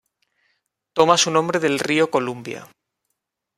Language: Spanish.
Toma su nombre del río Columbia.